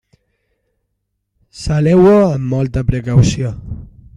Saleu-ho amb molta precaució.